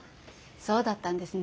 そうだったんですね。